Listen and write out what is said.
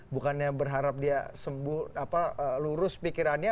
bukannya berharap dia lurus pikirannya